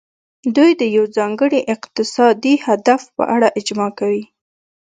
دوی د یو ځانګړي اقتصادي هدف په اړه اجماع کوي